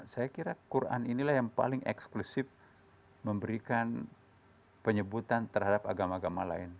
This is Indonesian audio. saya kira quran inilah yang paling eksklusif memberikan penyebutan terhadap agama agama lain